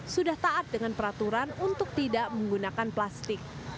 sudah taat dengan peraturan untuk tidak menggunakan plastik